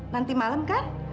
nanti malam kan